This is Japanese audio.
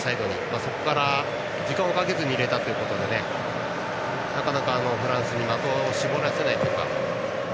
そこから時間をかけずに入れたということでフランスに的を絞らせないというか。